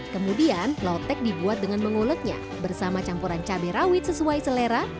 kemudian lotek dibuat dengan menguleknya bersama campuran cabai rawit sesuai selera